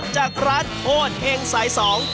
จากร้านโคตรเห็งสายสอง